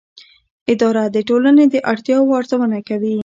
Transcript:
اداره د ټولنې د اړتیاوو ارزونه کوي.